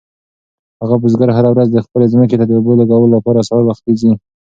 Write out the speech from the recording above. هغه بزګر هره ورځ خپلې ځمکې ته د اوبو لګولو لپاره سهار وختي ځي.